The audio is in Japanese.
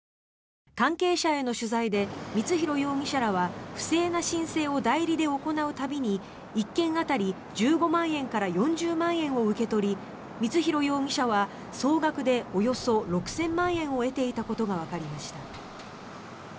関係者への取材で光弘容疑者らは不正な申請を代理で行う度に１件当たり１５万円から４０万円を受け取り光弘容疑者は総額でおよそ６０００万円を得ていたことがわかりました。